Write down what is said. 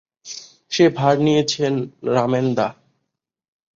সে ভার নিয়েছেন রমেনদা।